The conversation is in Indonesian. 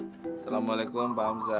assalamu'alaikum pak hamzah